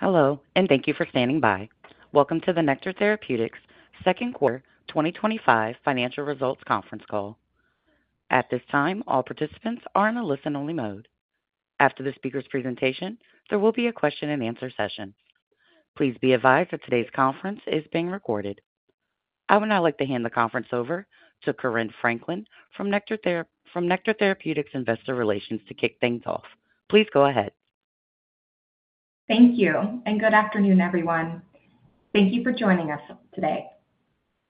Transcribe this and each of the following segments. Hello and thank you for standing by. Welcome to the Nektar Therapeutics Second Quarter 2025 Financial Results Conference call. At this time all participants are in a listen only mode. After the speaker's presentation there will be a question and answer session. Please be advised that today's conference is being recorded. I would now like to hand the conference over to Corinne Franklin from Nektar Therapeutics Investor Relations to kick things off. Please go ahead. Thank you and good afternoon everyone. Thank you for joining us today.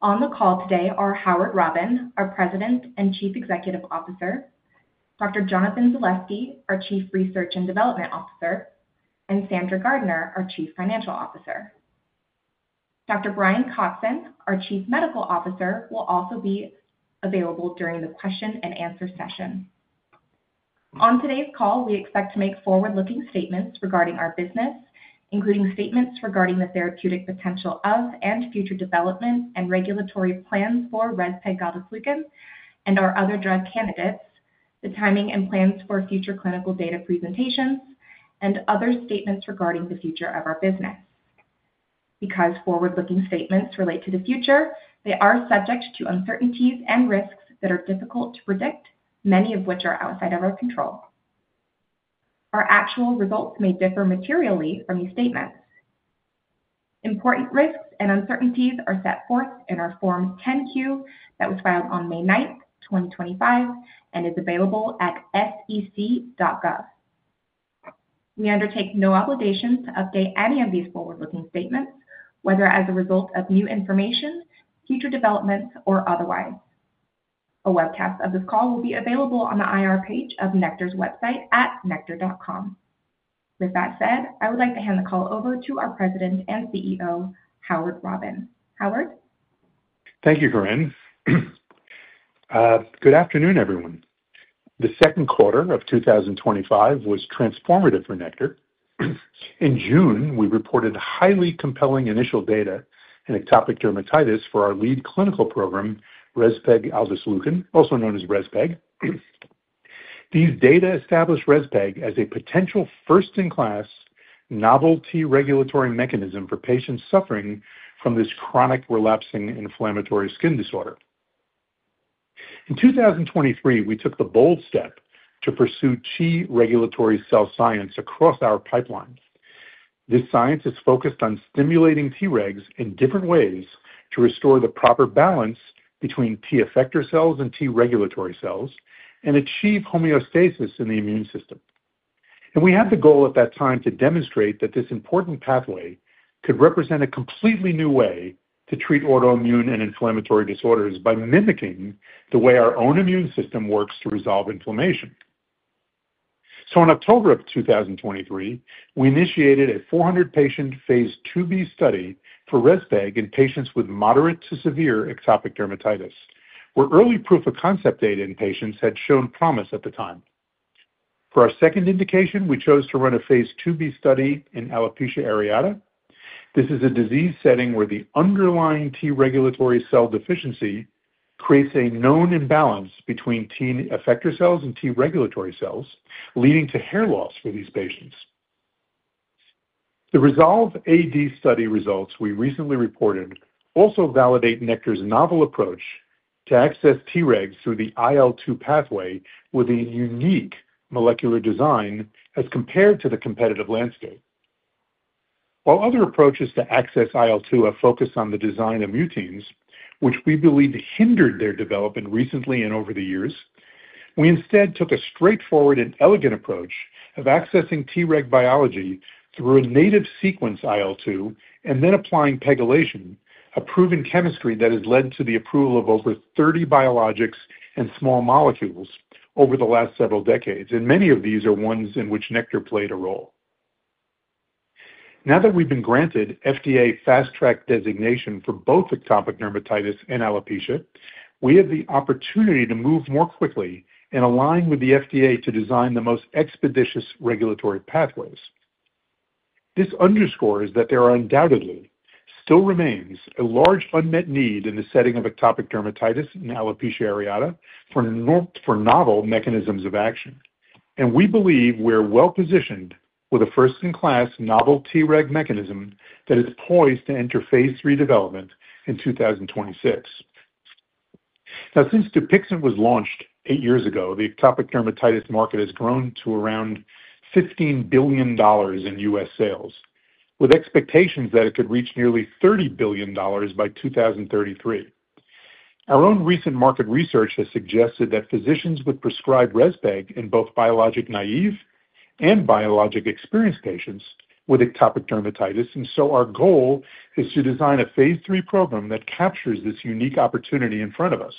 On the call today are Howard W. Robin, our President and Chief Executive Officer, Dr. Jonathan Zalevsky, our Chief Research & Development Officer, and Sandra Gardiner, our Chief Financial Officer. Dr. Brian Kotzin, our Chief Medical Officer, will also be available during the question and answer session. On today's call we expect to make forward-looking statements regarding our business, including statements regarding the therapeutic potential of and future development and regulatory plans for REZPEG and our other drug candidates, the timing and plans for future clinical data presentations, and other statements regarding the future of our business. Because forward-looking statements relate to the future, they are subject to uncertainties and risks that are difficult to predict, many of which are outside of our control. Our actual results may differ materially from these statements. Important risks and uncertainties are set forth in our Form 10-Q that was filed on May 9, 2025, and is available at SEC.gov. We undertake no obligation to update any of these forward-looking statements, whether as a result of new information, future development, or otherwise. A webcast of this call will be available on the IR page of Nektar's website at nektar.com. With that said, I would like to hand the call over to our President and CEO, Howard Robin. Thank you, Corinne. Good afternoon, everyone. The second quarter of 2025 was transformative for Nektar. In June, we reported highly compelling initial data in atopic dermatitis for our lead clinical program, rezpegaldesleukin, also known as REZPEG. These data establish REZPEG as a potential first-in-class novel T regulatory mechanism for patients suffering from this chronic relapsing inflammatory skin disorder. In 2023, we took the bold step to pursue T regulatory cell science across our pipeline. This science is focused on stimulating Tregs in different ways to restore the proper balance between T effector cells and T regulatory cells and achieve homeostasis in the immune system. We had the goal at that time to demonstrate that this important pathway could represent a completely new way to treat autoimmune and inflammatory disorders by mimicking the way our own immune system works to resolve inflammation. In October of 2023, we initiated a 400-patient phase II-B study for REZPEG in patients with moderate to severe atopic dermatitis where early proof-of-concept data in patients had shown promise at the time. For our second indication, we chose to run a phase II-B study in alopecia areata. This is a disease setting where the underlying T regulatory cell deficiency creates a known imbalance between T effector cells and T regulatory cells, leading to hair loss for these patients. The REZOLVE-AD study results we recently reported also validate Nektar's novel approach to access Tregs through the IL-2 pathway with a unique molecular design as compared to the competitive landscape. While other approaches to access IL-2 have focused on the design of muteins, which we believe hindered their development recently and over the years, we instead took a straightforward and elegant approach of accessing Treg biology through a native sequence IL-2 and then applying PEGylation, a proven chemistry that has led to the approval of over 30 biologics and small molecules over the last several decades, and many of these are ones in which Nektar played a role. Now that we've been granted FDA Fast Track designation for both atopic dermatitis and alopecia areata, we have the opportunity to move more quickly and align with the FDA to design the most expeditious regulatory pathways. This underscores that there undoubtedly still remains a large unmet need in the setting of atopic dermatitis and alopecia areata for novel mechanisms of action, and we believe we're well positioned with a first-in-class novel Treg mechanism that is poised to enter phase III development in 2026. Now, since dupixent was launched eight years ago, the atopic dermatitis market has grown to around $15 billion in U.S. sales with expectations that it could reach nearly $30 billion by 2033. Our own recent market research has suggested that physicians would prescribe REZPEG in both biologic-naive and biologic-experienced patients with atopic dermatitis, and our goal is to design a phase III program that captures this unique opportunity in front of us.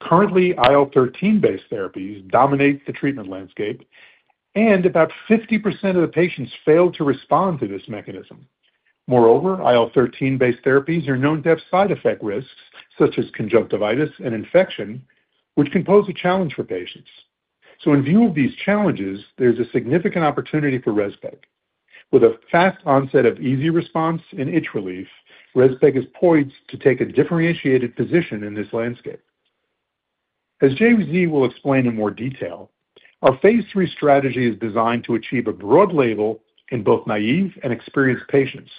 Currently, IL-13 based therapies dominate the treatment landscape and about 50% of the patients fail to respond to this mechanism. Moreover, IL-13 based therapies are known to have side effect risks such as conjunctivitis and infection, which can pose a challenge for patients. In view of these challenges, there's a significant opportunity for REZPEG with a fast onset of easy response and itch relief. REZPEG is poised to take a differentiated position in this landscape. As J.Z. will explain in more detail, our Phase III strategy is designed to achieve a broad label in both naive and experienced patients,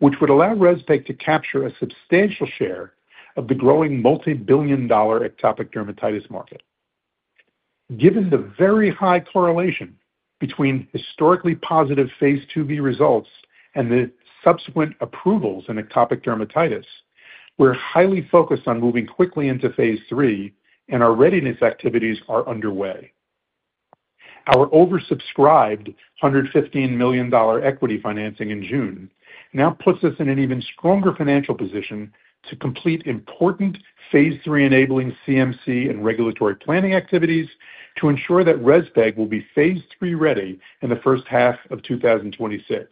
which would allow RESZPEG to capture a substantial share of the growing multibillion dollar atopic dermatitis market. Given the very high correlation between historically positive phase II-B results and the subsequent approvals in atopic dermatitis, we're highly focused on moving quickly into phase III and our readiness activities are underway. Our oversubscribed $115 million equity financing in June now puts us in an even stronger financial position to complete important phase III enabling CMC and regulatory planning activities to ensure that REZPEG will be phase III ready in the first half of 2026.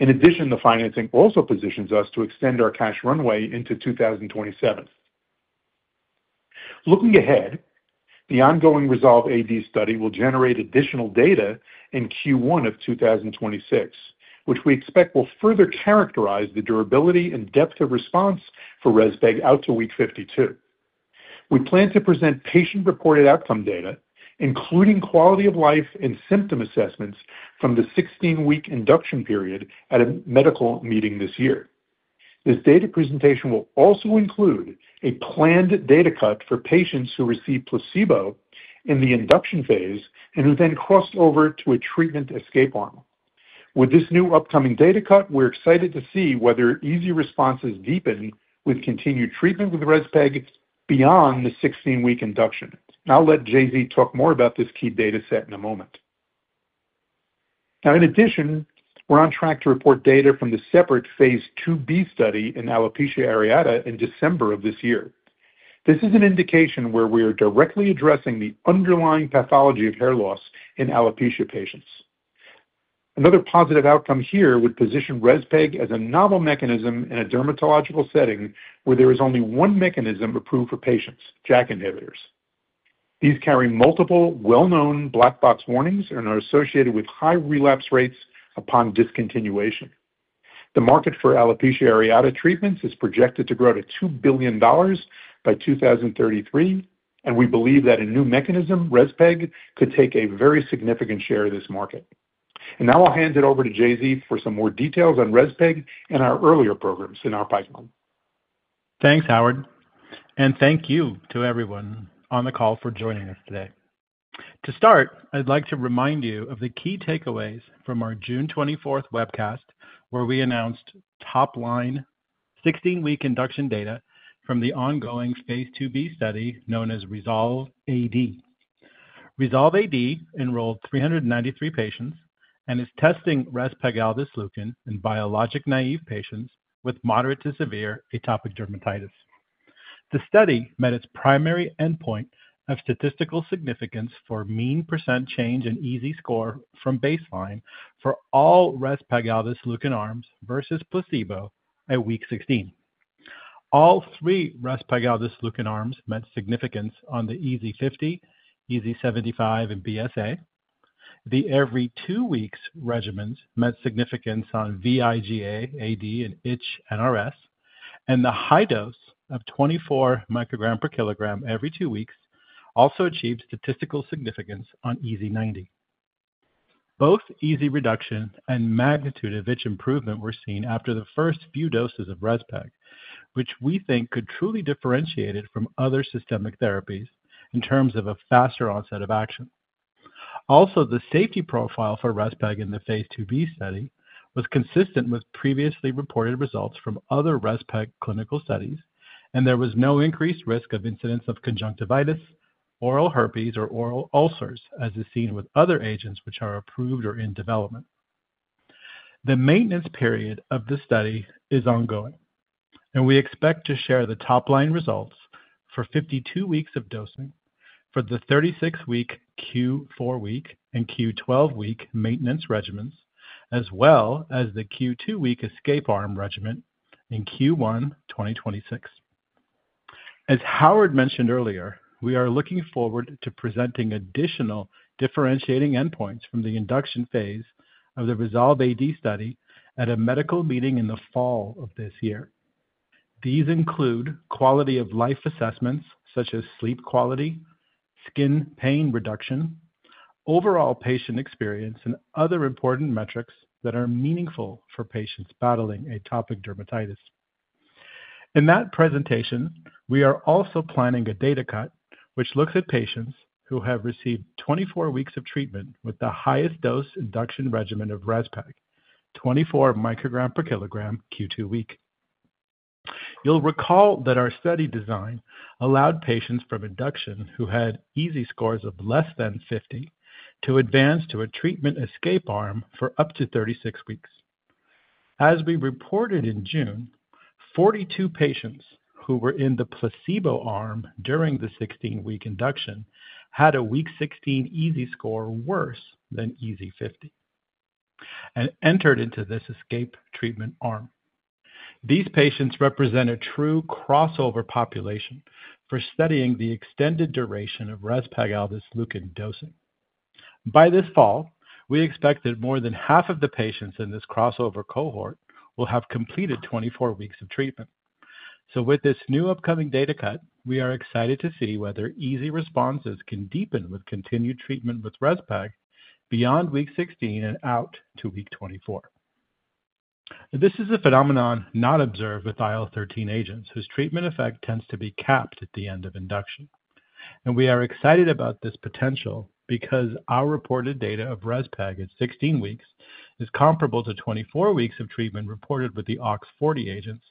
In addition, the financing also positions us to extend our cash runway into 2027. Looking ahead, the ongoing REZOLVE-AD study will generate additional data in Q1 of 2026, which we expect will further characterize the durability and depth of response for RESZPEG out to week 52. We plan to present patient-reported outcome data including quality of life and symptom assessments from the 16-week induction period at a medical meeting this year. This data presentation will also include a planned data cut for patients who receive placebo in the induction phase and who then crossed over to a treatment escape arm. With this new upcoming data cut, we're excited to see whether EASI responses deepen with continued treatment with REZPEG beyond the 16-week induction. I'll let J.Z. talk more about this key data set in a moment. In addition, we're on track to report data from the separate phase II-B study in alopecia areata in December of this year. This is an indication where we are directly addressing the underlying pathology of hair loss in alopecia patients. Another positive outcome here would position REZPEG as a novel mechanism in a dermatological setting where there is only one mechanism approved for patients, JAK inhibitors. These carry multiple well-known black box warnings and are associated with high relapse rates upon discontinuation. The market for alopecia areata treatments is projected to grow to $2 billion by 2033 and we believe that a new mechanism, REZPEG, could take a very significant share of this market. I'll hand it over to J.Z. for some more details on REZPEG and our earlier programs in our pipeline. Thanks Howard, and thank you to everyone on the call for joining us today. To start, I'd like to remind you of the key takeaways from our June 24th webcast where we announced top line 16-week induction data from the ongoing Phase 2b study known as REZOLVE-AD. REZOLVE-AD enrolled 393 patients and is testing REZPEG (rezpegaldesleukin) in biologic-naive patients with moderate to severe atopic dermatitis. The study met its primary endpoint of statistical significance for mean per entage change in EASI score from baseline for all REZPEG arms versus placebo at week 16. All three REZPEG arms met significance on the EASI-50, EASI-75, and BSA. The every two weeks regimens met significance on vIGA-AD and itch NRS, and the high dose of 24 microgram per kilogram every two weeks also achieved statistical significance on EASI-90. Both EASI reduction and magnitude of itch improvement were seen after the first few doses of REZPEG, which we think could truly differentiate it from other systemic therapies in terms of a faster onset of action. Also, the safety profile for REZPEG in the phase II-B setting was consistent with previously reported results from other REZPEG clinical studies, and there was no increased risk or incidence of conjunctivitis, oral herpes, or oral ulcers as is seen with other agents which are approved or in development. The maintenance period of the study is ongoing, and we expect to share the top line results for 52 weeks of dosing for the 36-week Q4 week and Q12 week maintenance regimens as well as the Q2 week escape arm regimen in Q1 2026. As Howard mentioned earlier, we are looking forward to presenting additional differentiating endpoints from the induction phase of the REZOLVE-AD study at a medical meeting in the fall of this year. These include quality of life assessments such as sleep quality, skin pain reduction, overall patient experience, and other important metrics that are meaningful for patients battling atopic dermatitis. In that presentation, we are also planning a data cut which looks at patients who have received 24 weeks of treatment with the highest dose induction regimen of REZPEG 24 microgram per kg Q2 week. You'll recall that our study design allowed patients from induction who had EASI scores of less than 50 to advance to a treatment escape arm for up to 36 weeks. As we reported in June, 42 patients who were in the placebo arm during the 16-week induction had a week 16 EASI score worse than EASI-50 and entered into this escape treatment arm. These patients represent a true crossover population for studying the extended duration of rezpegaldesleukin dosing. By this fall, we expect that more than half of the patients in this crossover cohort will have completed 24 weeks of treatment. With this new upcoming data cut, we are excited to see whether EASI responses can deepen with continued treatment with REZPEG beyond week 16 and out to week 24. This is a phenomenon not observed with IL-13 agents, whose treatment effect tends to be capped at the end of induction. We are excited about this potential because our reported data of REZPEG at 16 weeks is comparable to 24 weeks of treatment reported with the OX40 agents,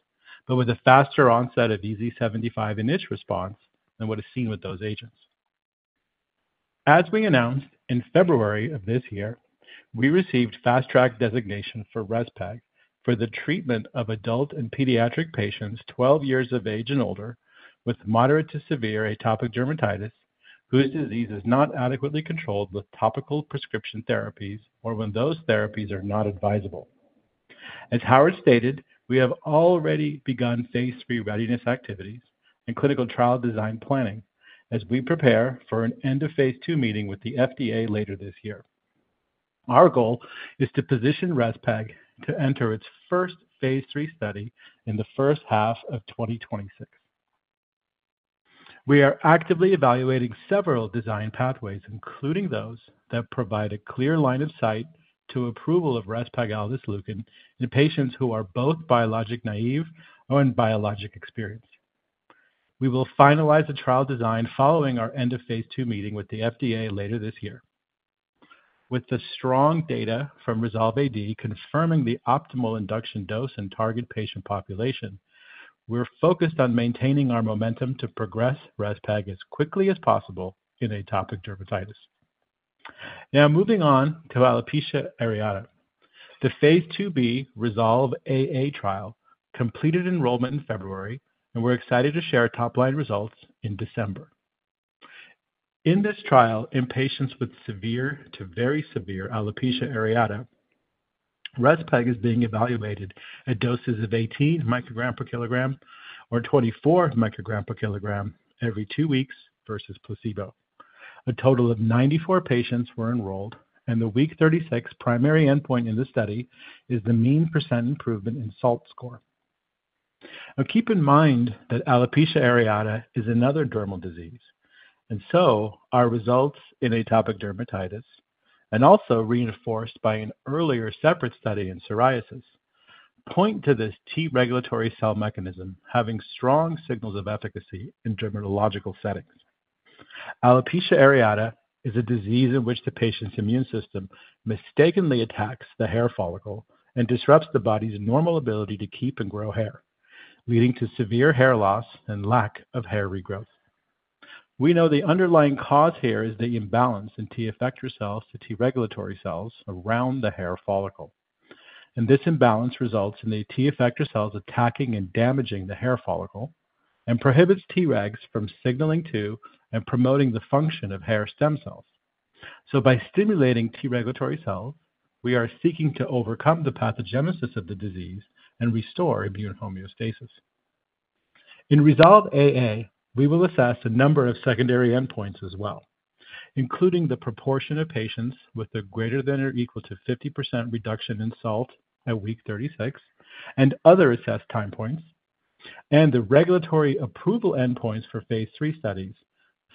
but with a faster onset of EASI 75 in itch response than what is seen with those agents. As we announced in February of this year, we received Fast Track designation for REZPEG for the treatment of adult and pediatric patients 12 years of age and older with moderate to severe atopic dermatitis whose disease is not adequately controlled with topical prescription therapies or when those therapies are not advisable. As Howard stated, we have already begun Phase 3 readiness activities and clinical trial design planning as we prepare for an end of phase II meeting with the FDA later this year. Our goal is to position REZPEG to enter its first phase III study in the first half of 2026. We are actively evaluating several design pathways, including those that provide a clear line of sight to approval of rezpegaldesleukin in patients who are both biologic-naive or in biologic-experienced. We will finalize the trial design following our end of phase II meeting with the FDA later this year. With the strong data from REZOLVE-AD confirming the optimal induction dose and target patient population, we're focused on maintaining our momentum to progress REZPEG as quickly as possible in atopic dermatitis. Now moving on to alopecia areata, the phase II-B REZOLVE-AA trial completed enrollment in February and we're excited to share top-line results in December. In this trial, in patients with severe to very severe alopecia areata, REZPEG is being evaluated at doses of 18 micrograms per kilogram or 24 micrograms per kilogram every two weeks versus placebo. A total of 94 patients were enrolled and the week 36 primary endpoint in the study is the mean percent improvement in SALT score. Keep in mind that alopecia areata is another dermal disease and so our results in atopic dermatitis and also reinforced by an earlier separate study in psoriasis point to this T regulatory cell mechanism having strong signals of efficacy in dermatological settings. Alopecia areata is a disease in which the patient's immune system mistakenly attacks the hair follicle and disrupts the body's normal ability to keep and grow hair, leading to severe hair loss and lack of hair regrowth. We know the underlying cause here is the imbalance in T effector cells to T regulatory cells around the hair follicle and this imbalance results in the T effector cells attacking and damaging the hair follicle and prohibits Tregs from signaling to and promoting the function of hair stem cells. By stimulating T regulatory cells we are seeking to overcome the pathogenesis of the disease and restore immune homeostasis. In REZOLVE-AA, we will assess a number of secondary endpoints as well, including the proportion of patients with the greater than or equal to 50% reduction in SALT at week 36 and other assessed time points and the regulatory approval endpoints for phase III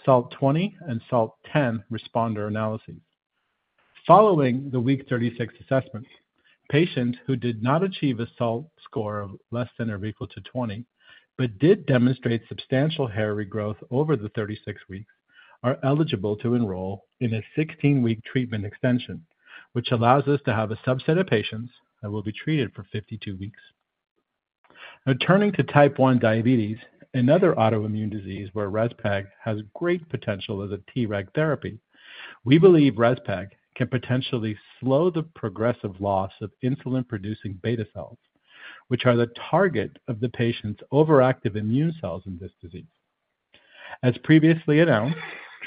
studies. SALT 20 and SALT 10 responder analyses following the week 36 assessments, patients who did not achieve a SALT score of less than or equal to 20 but did demonstrate substantial hair regrowth over the 36 weeks are eligible to enroll in a 16-week treatment extension, which allows us to have a subset of patients that will be treated for 52 weeks. Turning to type 1 diabetes, another autoimmune disease where REZPEG has great potential as a Treg therapy, we believe REZPEG can potentially slow the progressive loss of insulin-producing beta cells, which are the target of the patient's overactive immune cells in this disease. As previously announced,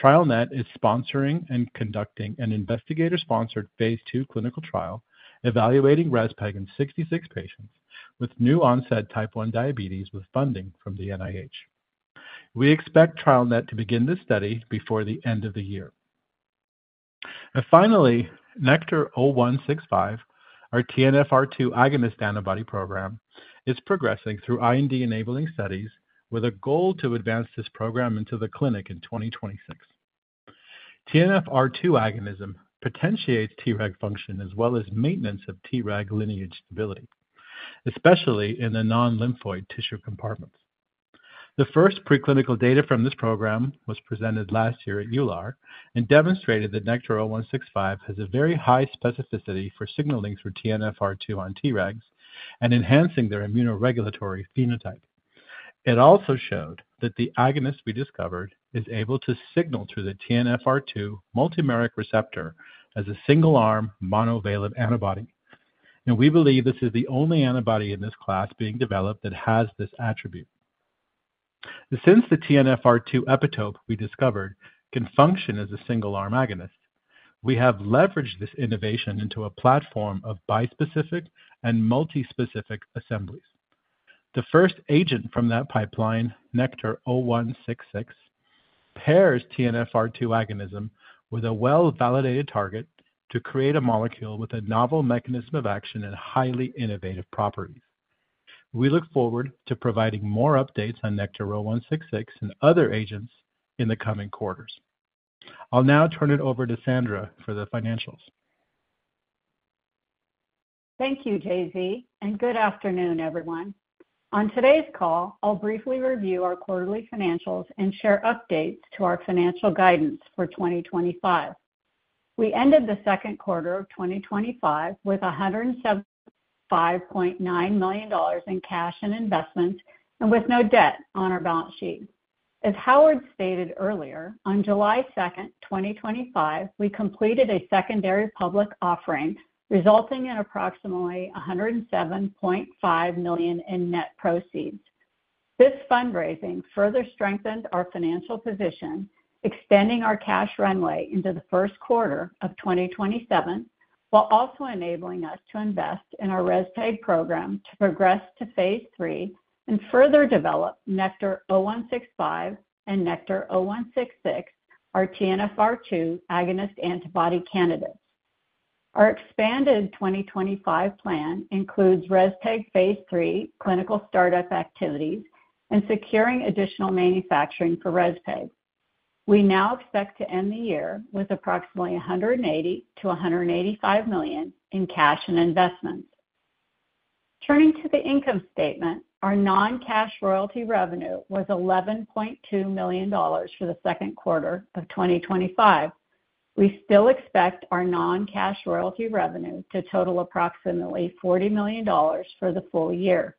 TrialNet is sponsoring and conducting an investigator-sponsored phase II clinical trial evaluating REZPEG in 66 patients with new onset type 1 diabetes. With funding from the NIH, we expect TrialNet to begin this study before the end of the year. Finally, NKTR-0165, our TNFR2 agonist antibody program, is progressing through IND enabling studies with a goal to advance this program into the clinic in 2026. TNFR2 agonism potentiates Treg function as well as maintenance of Treg lineage ability, especially in the non-lymphoid tissue compartments. The first preclinical data from this program was presented last year at EULAR and demonstrated that NKTR-0165 has a very high specificity for signaling through TNFR2 on Tregs and enhancing their immunoregulatory phenotype. It also showed that the agonist we discovered is able to signal through the TNFR2 multimeric receptor as a single-arm monovalent antibody, and we believe this is the only antibody in this class being developed that has this attribute. Since the TNFR2 epitope we discovered can function as a single-arm agonist, we have leveraged this innovation into a platform of bispecific and multispecific assemblies. The first agent from that pipeline, NKTR-0166, pairs TNFR2 agonism with a well-validated target to create a molecule with a novel mechanism of action and highly innovative properties. We look forward to providing more updates on NKTR-0166 and other agents in the coming quarters. I'll now turn it over to Sandra for the financials. Thank you, J.Z., and good afternoon, everyone. On today's call, I'll briefly review our quarterly financials and share updates to our financial guidance for 2025. We ended the second quarter of 2025 with $175.9 million in cash and investments and with no debt on our balance sheet. As Howard stated earlier, on July 2, 2025, we completed a secondary public offering resulting in approximately $107.5 million in net proceeds. This fundraising further strengthened our financial position, extending our cash runway into the first quarter of 2027 while also enabling us to invest in our REZPEG program to progress to phase III and further develop NKTR-0165 and NKTR-0166, our TNFR2 agonist antibody candidates. Our expanded 2025 plan includes REZPEG phase III clinical startup activities and securing additional manufacturing for REZPEG. We now expect to end the year with approximately $180 million-$185 million in cash and investments. Turning to the income statement, our non-cash royalty revenue was $11.2 million for the second quarter of 2025. We still expect our non-cash royalty revenue to total approximately $40 million for the full year.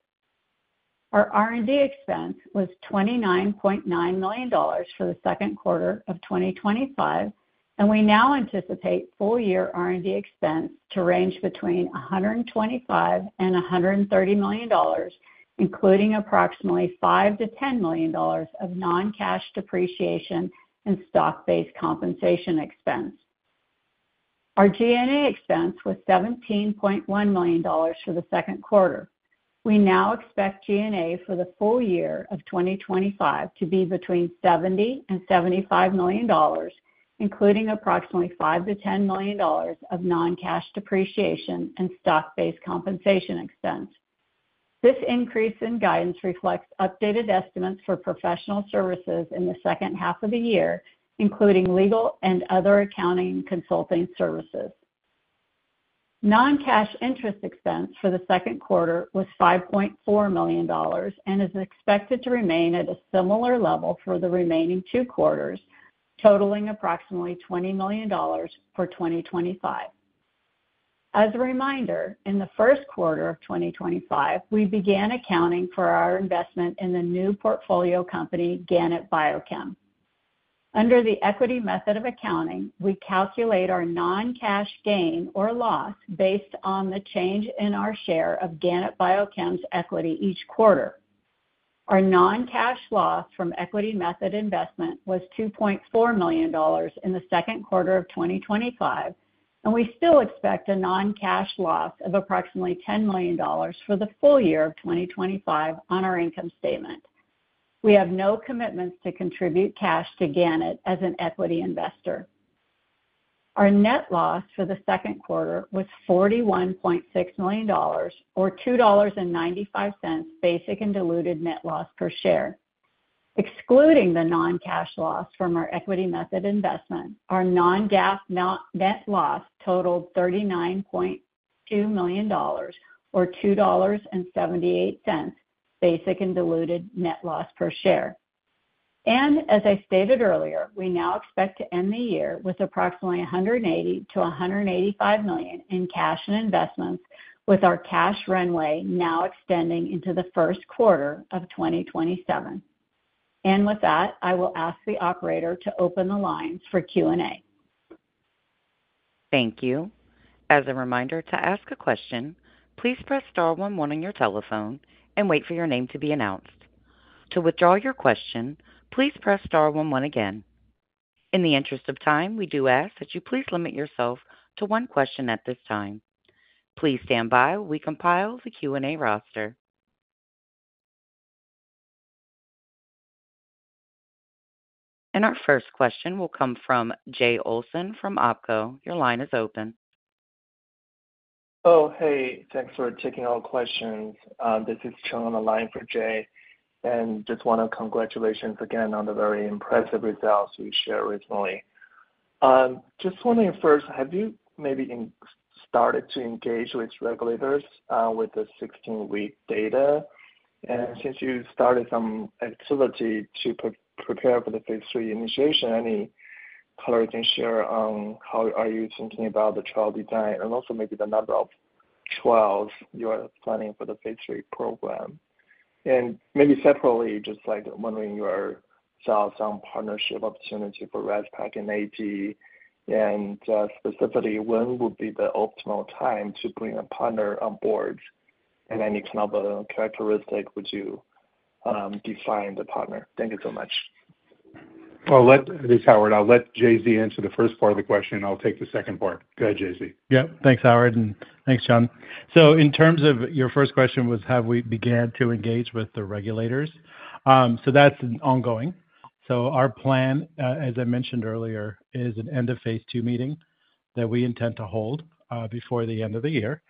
Our R&D expense was $29.9 million for the second quarter of 2025, and we now anticipate full-year R&D expense to range between $125 millon and $130 million, including approximately $5 million-$10 million of non-cash depreciation and stock-based compensation expense. Our G&A expense was $17.1 million for the second quarter. We now expect G&A for the full year of 2025 to be between $70 million and $75 million, including approximately $5 million-$10 million of non-cash depreciation and stock-based compensation expense. This increase in guidance reflects updated estimates for professional services in the second half of the year, including legal and other accounting, consulting services. Non-cash interest expense for the second quarter was $5.4 million and is expected to remain at a similar level for the remaining two quarters, totaling approximately $20 million for 2025. As a reminder, in the first quarter of 2025, we began accounting for our investment in the new portfolio company Gannett BioChem. Under the equity method of accounting, we calculate our non-cash gain or loss based on the change in our share of Gannett BioChem's equity each quarter. Our non-cash loss from equity method investment was $2.4 million in the second quarter of 2025, and we still expect a non-cash loss of approximately $10 million for the full year of 2025. On our income statement, we have no commitments to contribute cash to Gannett. As an equity investor, our net loss for the second quarter was $41.6 million or $2.95 basic and diluted net loss per share. Excluding the non-cash loss from our equity method investment, our non-GAAP net loss totaled $39.2 million or $2.78 basic and diluted net loss per share. As I stated earlier, we now expect to end the year with approximately $180 million-$185 million in cash and investments, with our cash runway now extending into the first quarter of 2027. I will ask the operator to open the lines for Q&A. Thank you. As a reminder to ask a question, please press star 11 on your telephone and wait for your name to be announced. To withdraw your question, please press star 11. Again, in the interest of time, we do ask that you please limit yourself to one question at this time. Please stand by while we compile the Q and A roster, and our first question will come from Jay Olson from OpCo. .Your line is open. Oh hey, thanks for taking all questions. This is Chung on the line for Jay and just want to congratulate again on the very impressive results you shared recently. Just wondering, first, have you maybe started to engage with regulators with the 16-week data, and since you started some activity to prepare for the phase III initiation, any color you can share on how you are thinking about the trial design and also maybe the number of trials you are planning for the phase III program? Maybe separately, just wondering yourselves on partnership opportunity for REZPEG and specifically when would be the optimal time to bring a partner on board and any kind of characteristic you would define for the partner? Thank you so much. This is Howard. I'll let J.Z. answer the first part of the question, and I'll take the second part. Go ahead, J.Z. Yep. Thanks Howard. Thanks Chung. In terms of your first question, have we begun to engage with the regulators? That is ongoing. Our plan, as I mentioned earlier, is an end of phase II meeting that we intend to hold before the end of the year.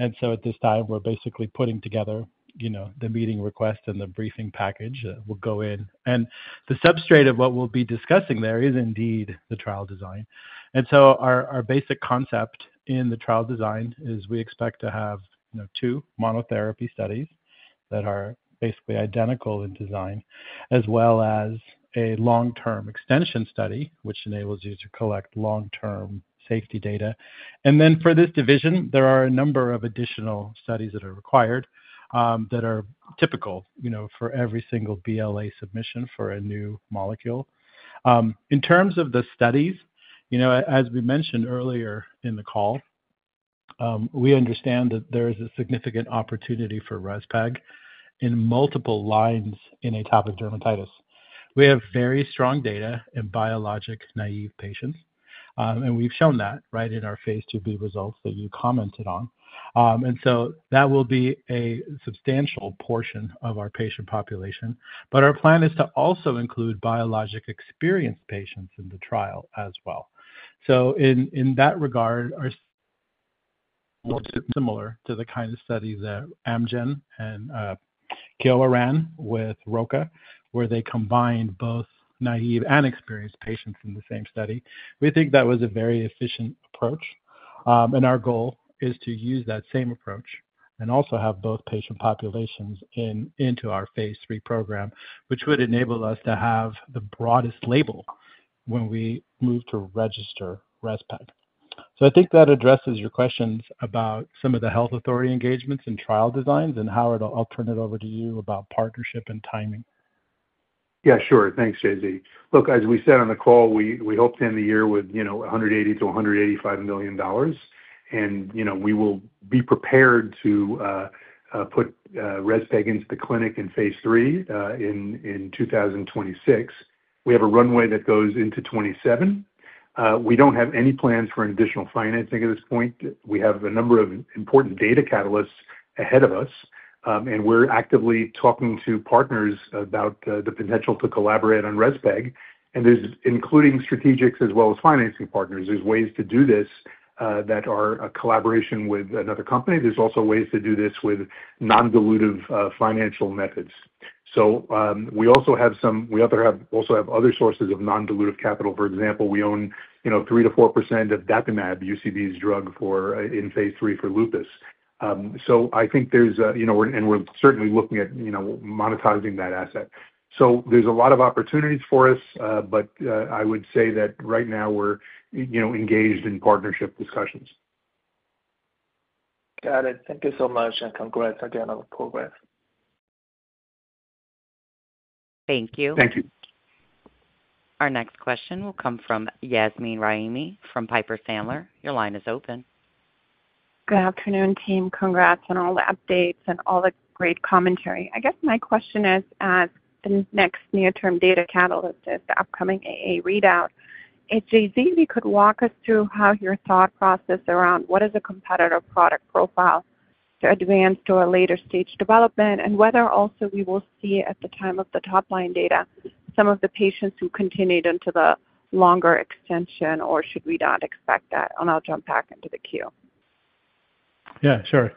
At this time, we're basically putting together the meeting request and the briefing package will go in, and the substrate of what we'll be discussing there is indeed the trial design. Our basic concept in the trial design is we expect to have two monotherapy studies that are basically identical in design, as well as a long-term extension study which enables you to collect long-term safety data. For this division, there are a number of additional studies that are required that are typical for every single BLA submission for a new molecule. In terms of the studies, as we mentioned earlier in the call, we understand that there is a significant opportunity for REZPEG in multiple lines in atopic dermatitis. We have very strong data in biologic-naive patients and we've shown that in our phase II-B results that you commented on. That will be a substantial portion of our patient population. Our plan is to also include biologic-experienced patients in the trial as well. In that regard, similar to the kind of studies that Amgen and Kyowa ran with ROCA where they combined both naive and experienced patients in the same study, we think that was a very efficient approach and our goal is to use that same approach and also have both patient populations in our phase III program, which would enable us to have the broadest label when we move to register REZPEG. I think that addresses your questions about some of the health authority engagements and trial designs. Howard, I'll turn it over to you about partnership and timing. Yeah, sure. Thanks, J.Z. Look, as we said on the call, we hope to end the year with $180 million-$185 million. We will be prepared to put REZPEG into the clinic in phase III in 2026. We have a runway that goes into 2027. We don't have any plans for an additional financing at this point. We have a number of important data catalysts ahead of us, and we're actively talking to partners about the potential to collaborate on REZPEG, including strategics as well as financing partners. There are ways to do this that are a collaboration with another company. There are also ways to do this with non-dilutive financial methods. We also have other sources of non-dilutive capital. For example, we own 3%-4% of dapimab, UCB's drug in phase III for lupus. I think there's, and we're certainly looking at monetizing that asset. There are a lot of opportunities for us. I would say that right now we're engaged in partnership discussions. Got it. Thank you so much, and congrats again on progress. Thank you. Thank you. Our next question will come from Yasmeen Rahimi from Piper Sandler. Your line is open. Good afternoon, team. Congrats on all the updates and all the great commentary. I guess my question is as the next near term data catalyst is the upcoming AA readout. J.Z., if you could walk us through how your thought process around what is a competitive product profile to advance to a later stage development and whether also we will see at the time of the top line data some of. The patients who continued into the longer. Extension, or should we not expect that? I'll jump back into the queue. Yeah, sure.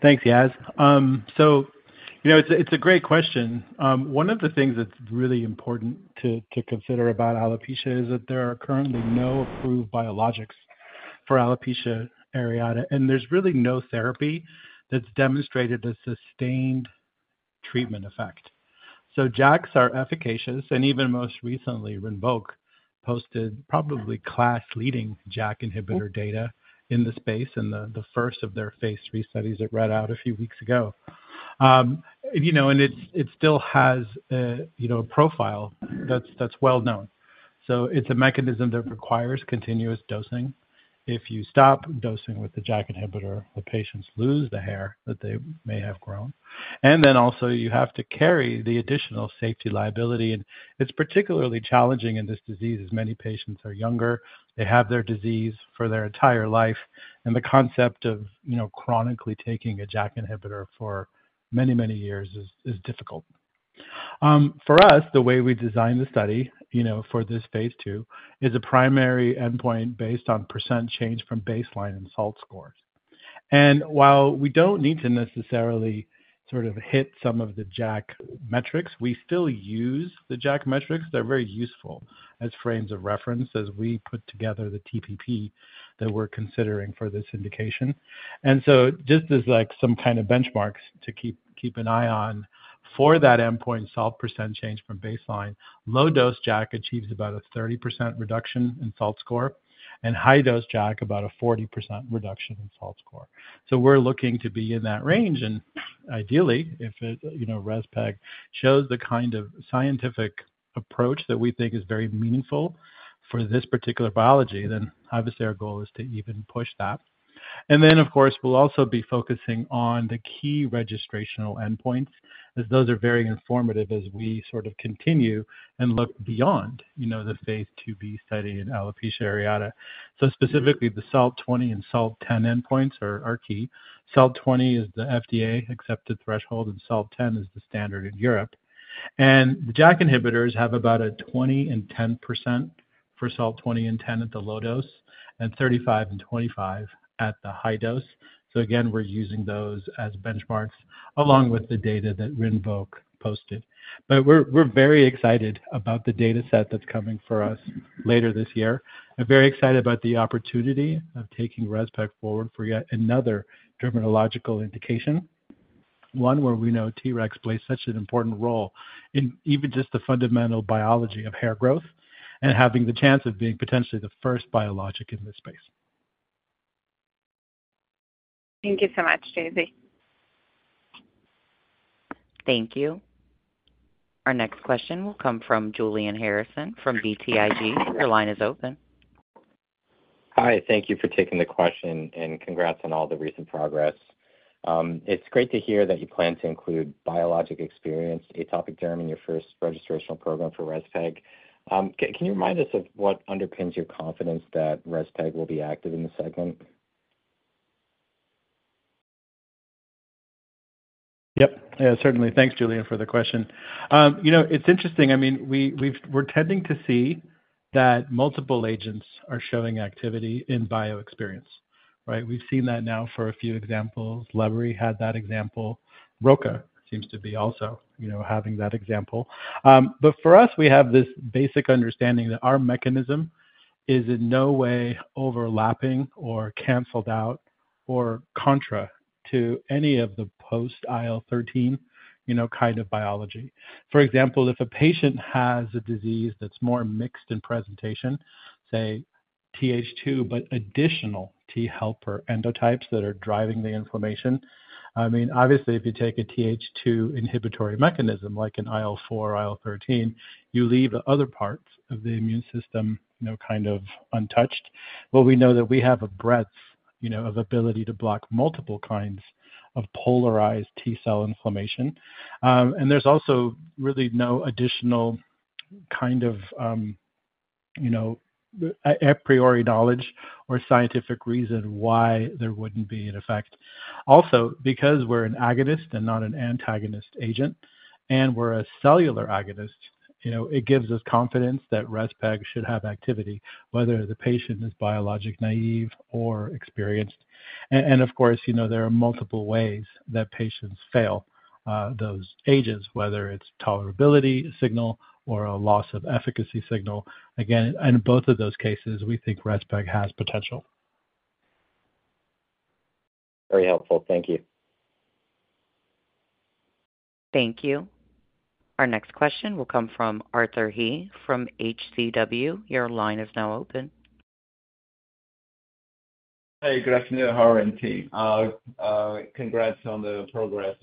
Thanks, Yaz. It's a great question. One of the things that's really important to consider about alopecia is that there are currently no approved biologics for alopecia areata and there's really no therapy that's demonstrated a sustained treatment effect. JAKs are efficacious. Even most recently, Rinvoq posted probably class-leading JAK inhibitor data in the space in the first of their phase lII studies that read out a few weeks ago. It still has a profile that's well known. It's a mechanism that requires continuous dosing. If you stop dosing with the JAK inhibitor, the patients lose the hair that they may have grown. You have to carry the additional safety liability. It's particularly challenging in this disease as many patients are younger, they have their disease for their entire life. The concept of chronically taking a JAK inhibitor for many, many years is difficult for us. The way we designed the study for this phase II is a primary endpoint based on percent change from baseline in SALT scores. While we don't need to necessarily sort of hit some of the JAK metrics, we still use the JAK metrics. They're very useful as frames of reference as we put together the TPP that we're considering for this indication. Just as some kind of benchmarks to keep an eye on for that endpoint, SALT percent change from baseline, low dose JAK achieves about a 30% reduction in SALT score and high dose JAK about a 40% reduction in SALT score. We're looking to be in that range. Ideally, if REZPEG shows the kind of scientific approach that we think is very meaningful for this particular biology, then obviously our goal is to even push that. Of course, we'll also be focusing on the key registrational endpoints as those are very informative as we continue and look beyond the phase II-B study in alopecia areata. Specifically, the SALT 20 and SALT 10 endpoints are key. SALT 20 is the FDA accepted threshold and SALT 10 is the standard in Europe. The JAK inhibitors have about a 20% and 10% for SALT 20 and 10 at the low dose and 35% and 25% at the high dose. We're using those as benchmarks along with the data that Rinvoq posted. We're very excited about the data set that's coming for us later this year. I'm very excited about the opportunity of taking REZPEG forward for yet another dermatological indication, one where we know Tregs play such an important role in even just the fundamental biology of hair growth and having the chance of being potentially the first biologic in this space. Thank you so much, J.Z. Thank you. Our next question will come from Julian Reed Harrison from BTIG. The line is open. Hi, thank you for taking the question. Congratulations on all the recent progress. It's great to hear that you plan. To include biologic-experienced atopic derm in your first registration program for REZPEG, can you remind us of what underpins your confidence that REZPEG will be active in the segment? Yep, certainly. Thanks, Julia, for the question. You know, it's interesting, I mean, we're tending to see that multiple agents are showing activity in biologic-experienced. Right, we've seen that. Now for a few examples. Libre had that example. ROCA seems to be also, you know, having that example. For us, we have this basic understanding that our mechanism is in no way overlapping or canceled out or contra to any of the post-IL-13 kind of biology. For example, if a patient has a disease that's more mixed in presentation, say TH2, but additional T helper endotypes that are driving the inflammation. Obviously, if you take a TH2 inhibitory mechanism like an IL-4/IL-13, you leave the other parts of the immune system kind of untouched. We know that we have a breadth of ability to block multiple kinds of polarized T cell inflammation. There's also really no additional kind of, you know, a priori knowledge or scientific reason why there wouldn't be an effect. Also, because we're an agonist and not an antagonist agent and we're a cellular agonist, it gives us confidence that REZPEG should have activity whether the patient is biologic-naive or experienced. Of course, there are multiple ways that patients fail those agents, whether it's tolerability signal or a loss of efficacy signal. Again, in both of those cases, we think REZPEG has potential. Very helpful. Thank you. Thank you. Our next question will come from Arthur He from HCW. Your line is now open. Hey, good afternoon, Howard and team. Congrats on the progress.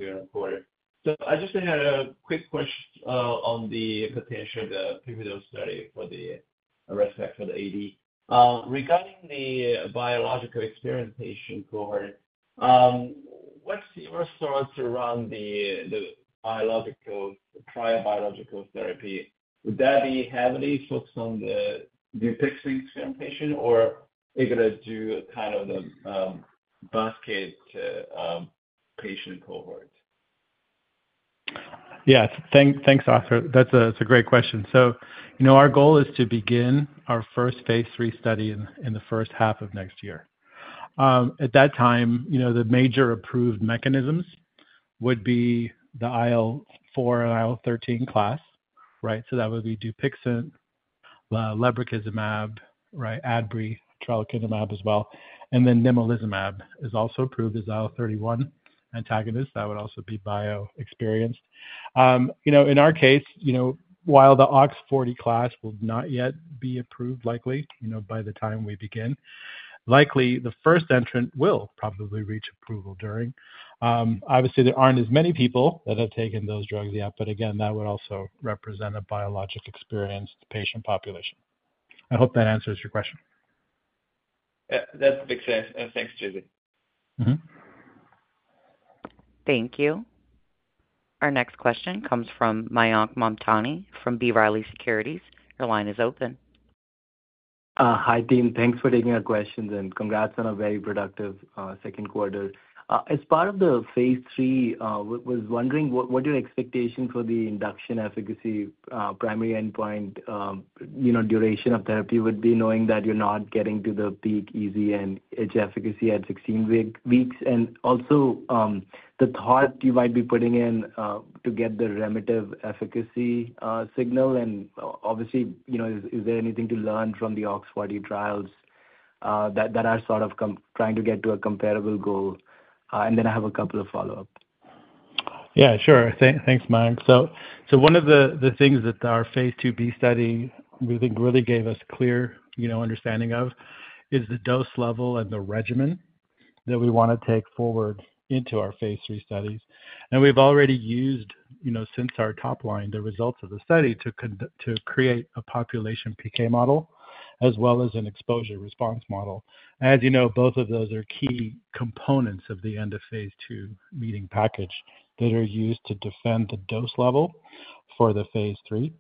I just had a quick question on the potential pivotal study for REZPEG for the AD regarding the biologic-experienced patient cohort. What's your thoughts around the biologic, prior biologic therapy? Would that be heavily focused on the new biologic-experienced or are you going to do kind of the basket patient cohort? Yes. Thanks, Arthur. That's a great question. Our goal is to begin our first phase III study in the first half of next year. At that time, the major approved mechanisms would be the IL-4 and IL-13 class. Right. That would be dupixent, lebrikizumab, right, Adbry, tralokinumab as well. Then nemolizumab is also approved as IL-31 antagonist. That would also be biologic-experienced. In our case, while the OX40 class will not yet be approved, likely by the time we begin, likely the first entrant will probably reach approval during. Obviously, there aren't as many people that have taken those drugs yet, but again, that would also represent a biologic-experienced patient population. I hope that answers your question. Thanks, J.Z. Thank you. Our next question comes from Mayank Mamtani from B. Riley Securities. The line is open. Hi Dean, thanks for taking your questions and congrats on a very productive second quarter as part of the phase III. Was wondering what your expectation for the induction efficacy primary endpoint duration of therapy would be, knowing that you're not getting to the peak EASI and itch efficacy at 16 weeks. Also, the thought you might be putting in to get the remedy efficacy signal. Is there anything to learn from the OX40 trials that are sort of trying to get to a comparable goal. I have a couple of follow up. Yeah, sure. Thanks, Mike. One of the things that our phase II-B study we think really gave us clear understanding of is the dose level and the regimen that we want to take forward into our phase III studies. We've already used since our top line the results of the study to create a population PK model as well as an exposure response model. As you know, both of those are key components of the end of phase II meeting package that are used to defend the dose level for the phase III.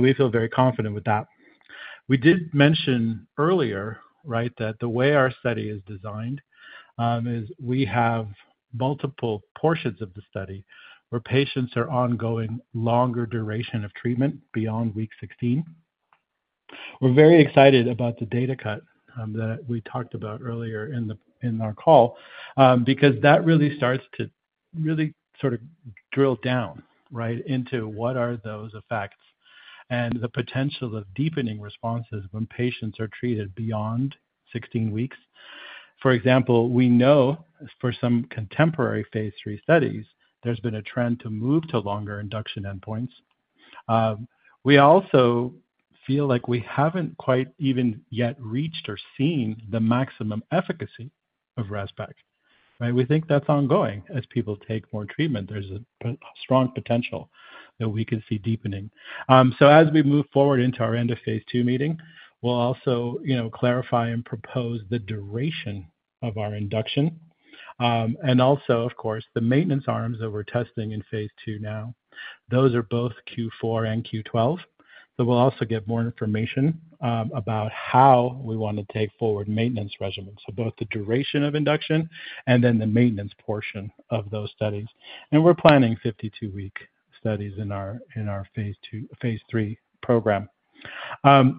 We feel very confident with that. We did mention earlier, right, that the way our study is designed is we have multiple portions of the study where patients are ongoing longer duration of treatment beyond week 16. We're very excited about the data cut that we talked about earlier in our call because that really starts to really sort of drill down right into what are those effects and the potential of deepening responses when patients are treated beyond 16 weeks. For example, we know for some contemporary phase III studies, there's been a trend to move to longer induction endpoints. We also feel like we haven't quite even yet reached or seen the maximum efficacy of REZPEG. We think that's ongoing. As people take more treatment, there's a strong potential that we could see deepening. As we move forward into our end of phase II meeting, we'll also clarify and propose the duration of our induction and also of course, the maintenance arms that we're testing in phase II. Now those are both Q4 and Q12, but we'll also get more information about how we want to take forward maintenance regimen so both the duration of induction and then the maintenance portion of those studies. We're planning 52 week studies in our phase III program.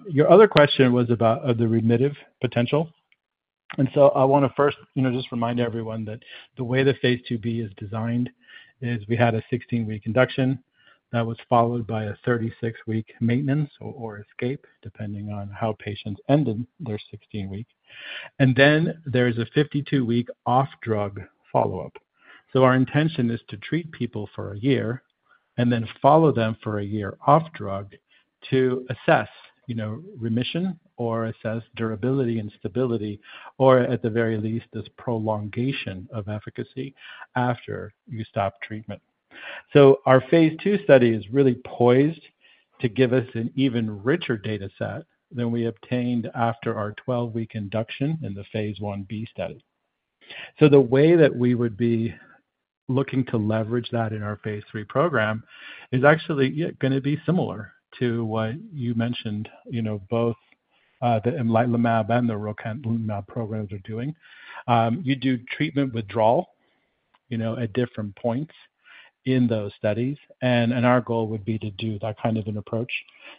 Your other question was about the remission potential. I want to first, you know, just remind everyone that the way the phase II-B is designed is we had a 16 week induction that was followed by a 36 week maintenance or escape, depending on how patients ended their 16 week. There is a 52 week off drug follow up. Our intention is to treat people for a year and then follow them for a year off drug to assess remission or assess durability and stability, or at the very least, this prolongation of efficacy after you stop treatment. Our phase II study is really poised to give us an even richer data set than we obtained after our 12 week induction in the phase I-B study. The way that we would be looking to leverage that in our phase III program is actually going to be similar to what you mentioned. Both the Enlighten MAB and the rocatlumab programs are doing treatment withdrawal at different points in those studies, and our goal would be to do that kind of an approach.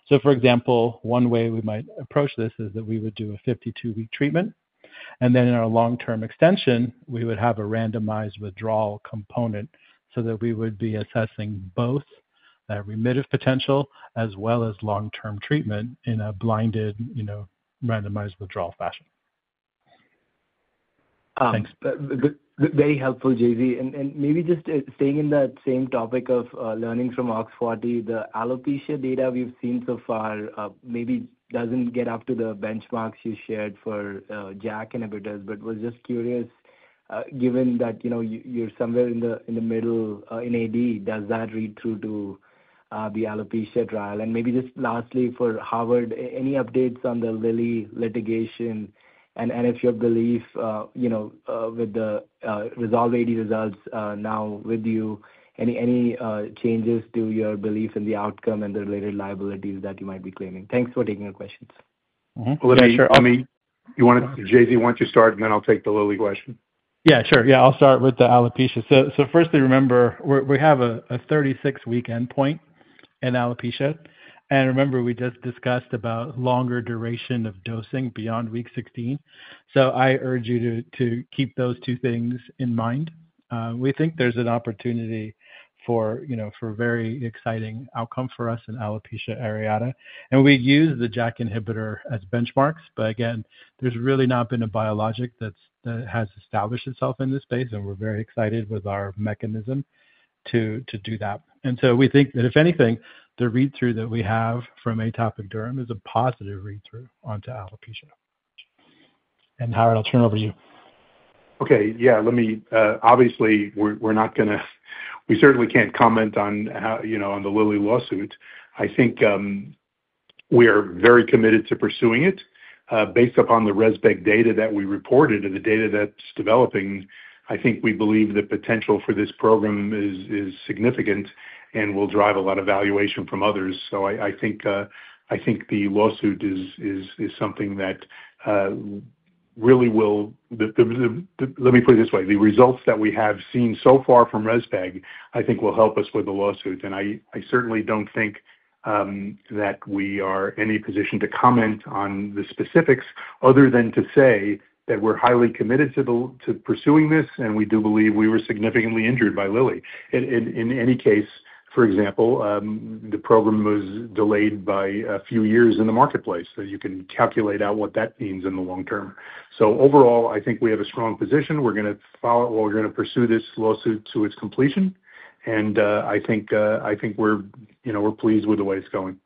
For example, one way we might approach this is that we would do a 52-week treatment and then in our long-term extension we would have a randomized withdrawal component so that we would be assessing both that remitted potential as well as long-term treatment in a blinded randomized withdrawal fashion. Thanks, very helpful, Jonathan Zalevsky. Maybe just staying in that same topic of learning from OX40, the alopecia data we've seen so far maybe doesn't get up to the benchmarks you shared for JAK inhibitors, but was just curious given that you're somewhere in the middle in AD, does that read through to the alopecia trial and maybe just lastly for Howard, any updates on the Lilly litigation and if your belief with the REZOLVE-AD results now with you, any changes to your belief in the outcome and the related liabilities that you might be claiming. Thanks for taking a question. You want. To J.Z., why don't you start, and then I'll take the Lilly question. Yeah, sure, I'll start with the alopecia. Firstly, remember we have a 36-week endpoint in alopecia and we just discussed longer duration of dosing beyond week 16. I urge you to keep those two things in mind. We think there's an opportunity for very exciting outcome for us in alopecia areata and we use the JAK inhibitor as benchmarks. There's really not been a biologic that has established itself in this space and we're very excited with our mechanism to do that. We think that if anything, the read through that we have from atopic derm is a positive read through onto alopecia. Howard, I'll turn it over to you. Okay. Yeah, let me. Obviously we're not going to. We certainly can't comment on the Lilly lawsuit. I think we are very committed to pursuing it based upon the REZPEG data that we reported and the data that's developing. I think we believe the potential for this program is significant and will drive a lot of valuation from others. I think the lawsuit is something that really will. Let me put it this way, the results that we have seen so far from REZPEG I think will help us with the lawsuit. I certainly don't think that we are in any position to comment on the specifics other than to say that we're highly committed to pursuing this and we do believe we were significantly injured by Lilly in any case. For example, the program was delayed by a few years in the marketplace. You can calculate out what that means in the long term. Overall, I think we have a strong position. We're going to follow or we're going to pursue this lawsuit to its completion. I think we're, you know, we're pleased with the way it's going.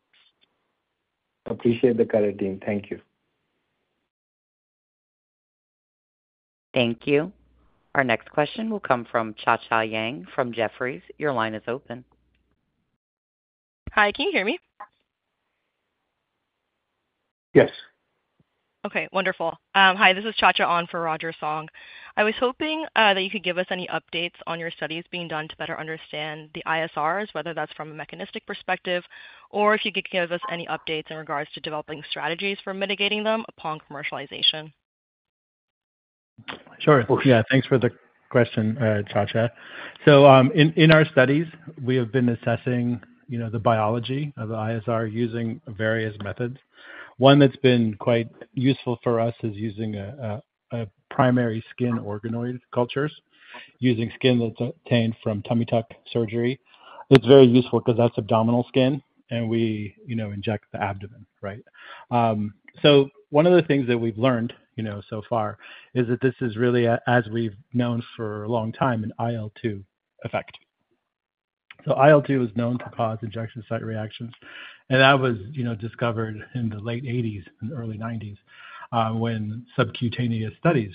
Appreciate the color, team. Thank you. Thank you. Our next question will come from Cha Cha Yang from Jefferies. Your line is open. Hi, can you hear me? Yes. Okay, wonderful. Hi, this is Cha Cha Yang on for Rogers Wong. I was hoping that you could give us any updates on your studies being. Done to better understand the ISRs, whether. That's from a mechanistic perspective or if. Could you give us any updates? Regards to developing strategies for mitigating them upon commercialization. Sure, yeah. Thanks for the question, Cha Cha. In our studies, we have been assessing the biology of the ISR using various methods. One that's been quite useful for us is using primary skin organoid cultures, using skin that's obtained from tummy tuck surgery. It's very useful because that's abdominal skin and we inject the abdomen. Right. One of the things that we've learned so far is that this is really, as we've known for a long time, an IL-2 effect. IL-2 is known to cause injection site reactions. That was discovered in the late 1980s and early 1990s when subcutaneous studies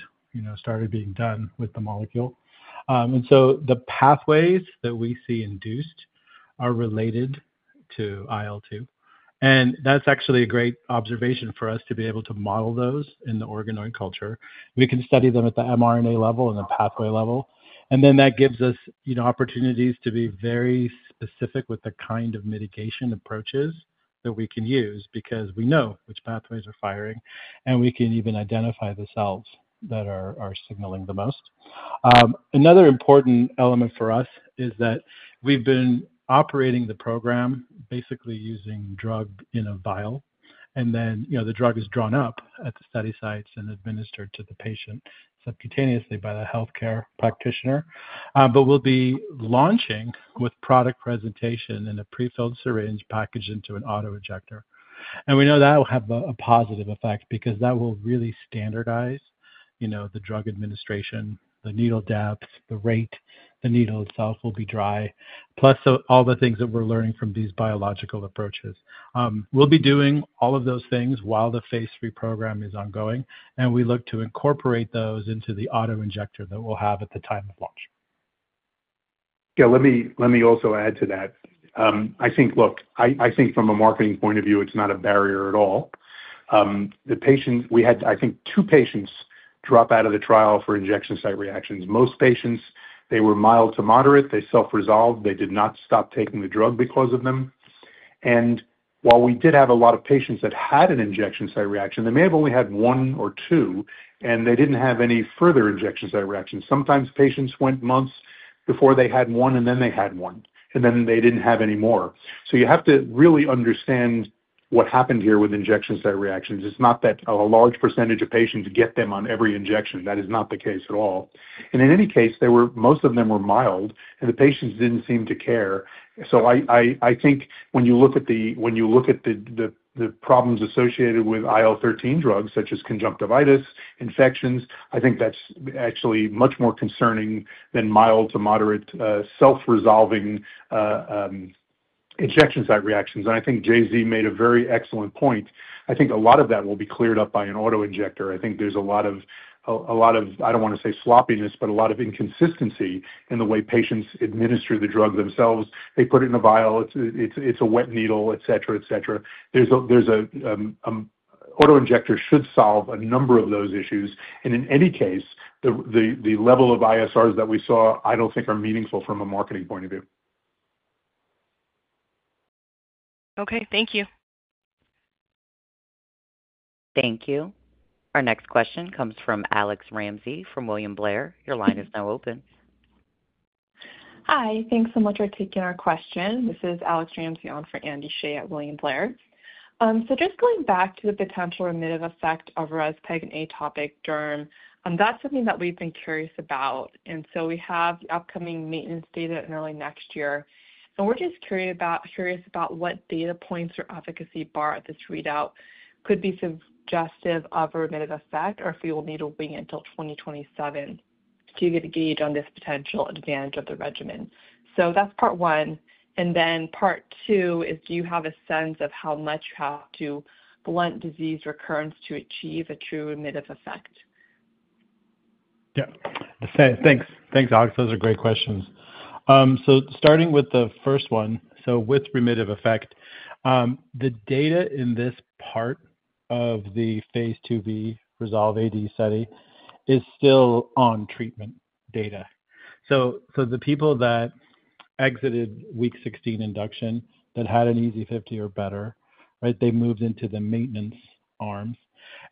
started being done with the molecule. The pathways that we see induced are related to IL-2. That's actually a great observation for us to be able to model those in the organoid culture. We can study them at the mRNA level and the pathway level. That gives us opportunities to be very specific with the kind of mitigation approaches that we can use because we know which pathways are firing and we can even identify the cells that are signaling the most. Another important element for us is that we've been operating the program basically using drug in a vial. The drug is drawn up at the study sites and administered to the patient subcutaneously by the healthcare practitioner. We'll be launching with product presentation in a pre-filled syringe packaged into an auto injector. We know that will have a positive effect because that will really standardize the drug administration, the needle depth, the rate, the needle itself will be dry, plus all the things that we're learning from these biological approaches. We'll be doing all of those things while the phase III program is ongoing, and we look to incorporate those into the auto injector that we'll have at the time of launch. Let me also add to that. I think from a marketing point of view, it's not a barrier at all. The patient, we had two patients drop out of the trial for injection site reactions. Most patients, they were mild to moderate. They self resolved, they did not stop taking the drug because of them. While we did have a lot of patients that had an injection site reaction, they may have only had one or two and they didn't have any further injection site reactions. Sometimes patients went months before they had. One and then they had one. They didn't have any more. You have to really understand what happened here with injection site reactions. It's not that a large percentage of patients get them on every injection. That is not the case at all. In any case, most of them were mild and the patients didn't seem to care. I think when you look at the problems associated with IL-13 therapies, such as conjunctivitis infections, that's actually much more concerning than mild to moderate self-resolving injection site reactions. I think J.Z. made a very excellent point. A lot of that will be cleared up by an auto injector. There's a lot of, I don't want to say sloppiness, but a lot of inconsistency in the way patients administer the drug themselves. They put it in a vial, it's a wet needle, et cetera. Auto injectors should solve a number of those issues. In any case, the level of ISRs that we saw I don't think are meaningful from a marketing point of view. Okay, thank you. Thank you. Our next question comes from Alexa Ramsey from William Blair. Your line is now open. Hi, thanks so much for taking our question. This is Alex Ramsey on for Andy Shea at William Blair. Going back to the potential. Remitted effect of REZPEG in atopic dermatitis, that's something that we've been curious about. We have the upcoming maintenance data in early next year, and we're just curious about what data points or efficacy bar at this readout could be suggestive of a remitted effect. If you will need to wait until 2027 to get a gauge on this potential advantage of the regimen, that's part one. Part two is, do you have a sense of how much you have to blunt disease recurrence to achieve a true remit of effect? Thanks, Alex. Those are great questions. Starting with the first one, with remittive effect, the data in this part of the phase II-B REZOLVE-AD study is still on treatment data. The people that exited week 16 induction that had an EASI-50 or better, they moved into the maintenance arms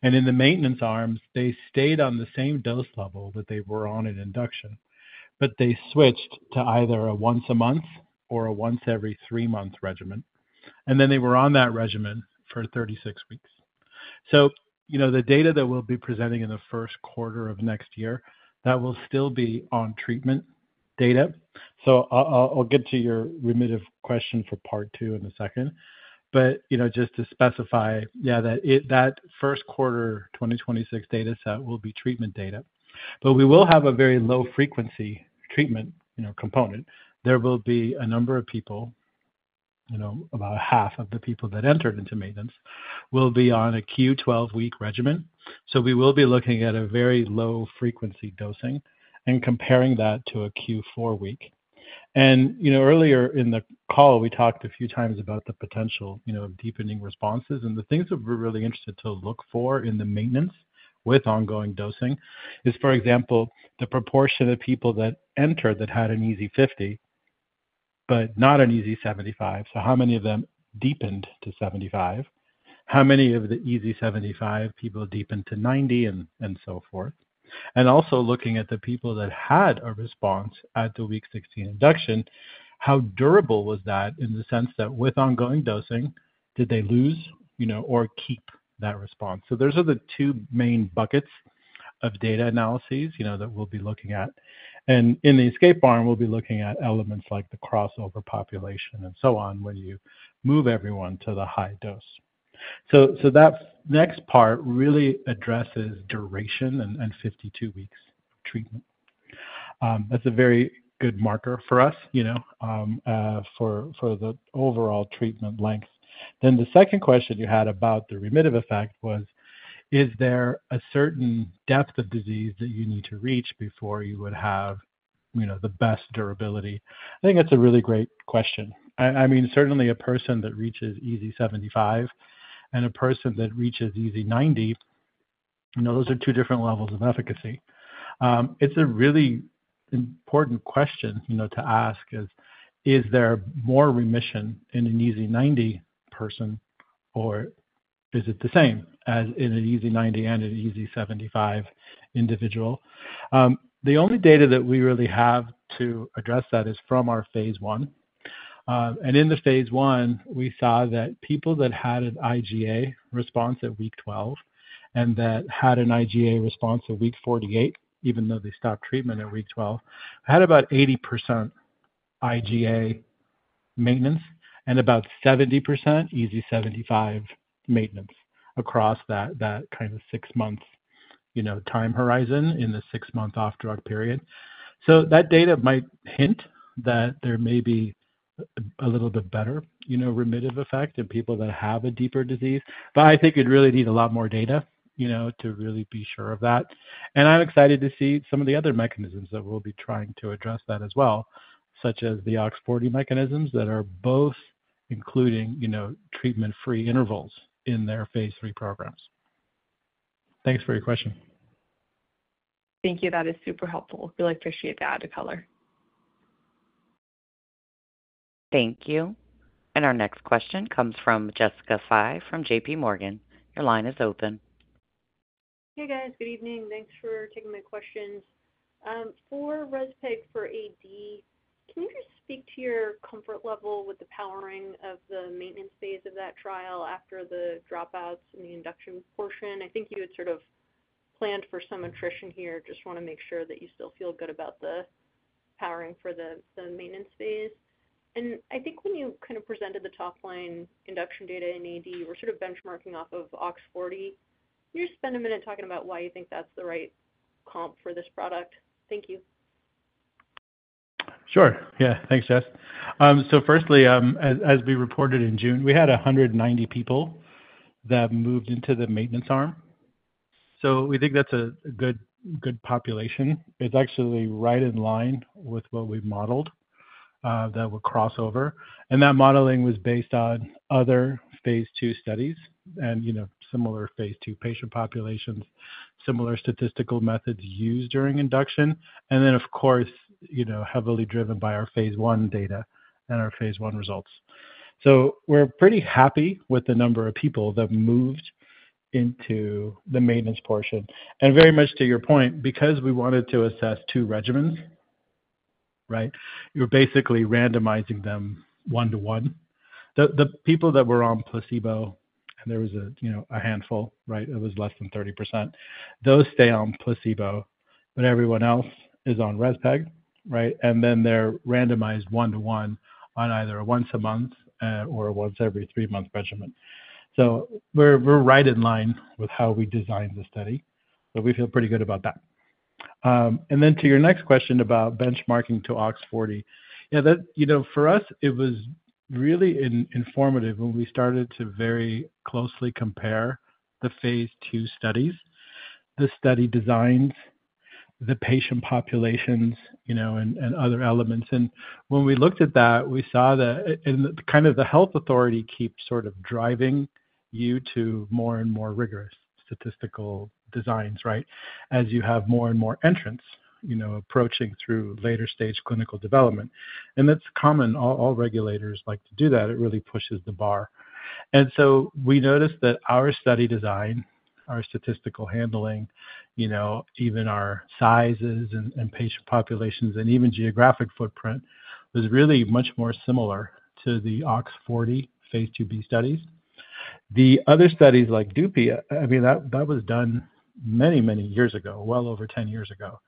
and in the maintenance arms they stayed on the same dose level that they were on in induction, but they switched to either a once a month or a once every three month regimen and then they were on that regimen for 36 weeks. The data that we'll be presenting in the first quarter of next year will still be on treatment data. I'll get to your remitted question for part two in a second. Just to specify, that first quarter 2026 data set will be treatment data, but we will have a very low frequency treatment component. There will be a number of people, about half of the people that entered into maintenance will be on a Q12 week regimen. We will be looking at a very low frequency dosing and comparing that to a Q4 week. Earlier in the call, we talked a few times about the potential of deepening responses and the things that we're really interested to look for in the maintenance with ongoing dosing are, for example, the proportion of people that entered that had an EASI 50 but not an EASI 75. How many of them deepened to 75? How many of the EASI 75 people deepened to 90 and so forth? Also, looking at the people that had a response at the week 16 induction, how durable was that in the sense that with ongoing dosing did they lose or keep that response? Those are the two main buckets of data analyses that we'll be looking at. In the escape arm, we'll be looking at elements like the crossover population and so on when you move everyone to the high dose. That next part really addresses duration and 52 weeks treatment, that's a very good marker for us for the overall treatment length. The second question you had about the remitter effect was, is there a certain depth of disease that you need to reach before you would have the best durability? I think that's a really great question. Certainly, a person that reaches EASI-75 and a person that reaches EASI-90, those are two different levels of efficacy. It's a really important question to ask. Is there more remission in an EASI-90 person or is it the same as in an EASI-90 and an EASI-75 individual? The only data that we really have to address that is from our phase I. In the phase one, we saw that people that had an IGA response at week 12 and that had an IGA response at week 48, even though they stopped treatment at week 12, had about 80% IGA maintenance and about 70% EASI-75 maintenance across that six-month time horizon in the six-month off-drug period. That data might hint that there may be a little bit better remitted effect in people that have a deeper disease. I think you'd really need a lot more data to really be sure of that. I'm excited to see some of the other mechanisms that we'll be trying to address that as well, such as the OX40 mechanisms that are both including treatment-free intervals in their phase three programs. Thanks for your question. Thank you. That is super helpful. Really appreciate the added color. Thank you. Our next question comes from Jessica Fye from JPMorgan. Your line is open. Hey guys, good evening. Thanks for taking my questions. For REZPEG for AD, can you just speak to your comfort level with the powering of the maintenance phase of that trial after the dropouts in the induction portion? I think you had sort of planned for some attrition here. Just want to make sure that you still feel good about the powering for the maintenance phase. I think when you kind of presented the top line induction data in AD, you were sort of benchmarking off of OX40. Can you spend a minute talking about why you think that's the right comp for this product? Thank you. Sure. Yeah. Thanks, Jess. Firstly, as we reported in June, we had 190 people that moved into the maintenance arm. We think that's a good population. It's actually right in line with what we modeled that will cross over. That modeling was based on other phase II studies and similar phase II patient populations, similar statistical methods used during induction, and of course, heavily driven by our hase I data and our phase I results. We're pretty happy with the number of people that moved into the maintenance portion. Very much to your point, because we wanted to assess two regimens, right, you're basically randomizing them one to one. The people that were on placebo, there was a handful, right? It was less than 30%. Those stay on placebo, but everyone else is on REZPEG, right, and then they're randomized one to one on either once a month or once every three month regimen. We're right in line with how we design the study, but we feel pretty good about that. To your next question about benchmarking to OX40, for us it was really informative when we started to very closely compare the phase III Istudies, the study design, the patient populations, and other elements. When we looked at that, we saw that the health authority keeps sort of driving you to more and more rigorous statistical designs as you have more and more entrants approaching through later stage clinical development. That's common, all regulators like to do that. It really pushes the bar. We noticed that our study design, our statistical handling, even our sizes and patient populations and even geographic footprint was really much more similar to the OX40 phase II-B studies. The other studies like Dupia, I mean that was done many, many years ago, well over 10 years ago.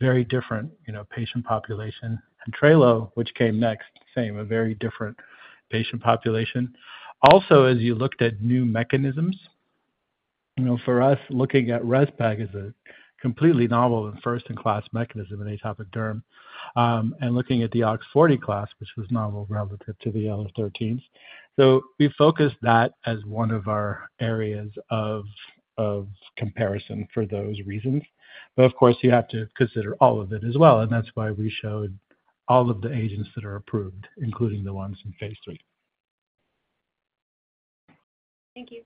Very different patient population. Trelo, which came next, same. A very different patient population. Also, as you looked at new mechanisms, for us, looking at REZPEG is a completely novel and first-in-class mechanism in atopic derm. Looking at the OX40 class, which was novel relative to the IL-13s. We focused that as one of our areas of comparison for those reasons. Of course, you have to consider all of it as well. That's why we showed all of the agents that are approved, including the ones in phase III. Thank you.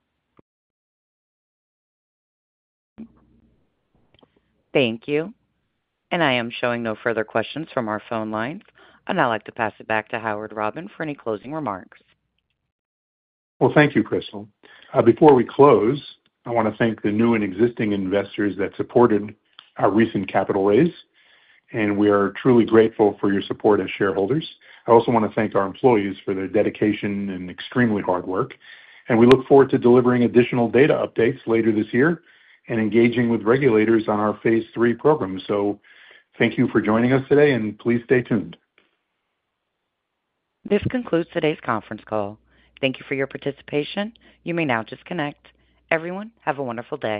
Thank you. I am showing no further questions from our phone lines. I'd now like to pass it back to Howard Robin for any closing remarks. Thank you, Crystal. Before we close, I want to thank the new and existing investors that supported our recent capital raise. We are truly grateful for your support as shareholders. I also want to thank our employees for their dedication and extremely hard work. We look forward to delivering additional data updates later this year and engaging with regulators on our phase III program. Thank you for joining us today and please stay tuned. This concludes today's conference call. Thank you for your participation. You may now disconnect. Everyone, have a wonderful day.